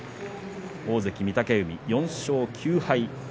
大関御嶽海４勝９敗。